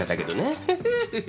フフフフフ。